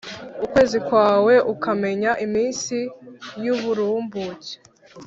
ukwezi kwawe ukamenya iminsi y’uburumbuke: